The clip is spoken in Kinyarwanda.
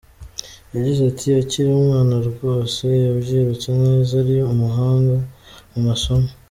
Yagize ati” Akiri umwana rwose yabyirutse neza ari umuhanga mu masomo.